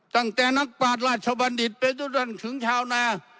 ตั้งแต่นักปราศน์ราชบัณฑิตไปทุกท่านถึงชาวนา